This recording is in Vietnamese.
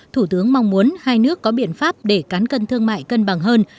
thủ tướng mong muốn hai nước có biện pháp để cán cân thương mại cân bằng hơn